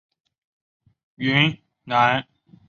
云南金茅为禾本科金茅属下的一个种。